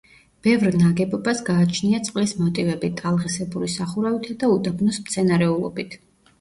ბევრ ნაგებობას გააჩნია წყლის მოტივები, ტალღისებური სახურავითა და უდაბნოს მცენარეულობით.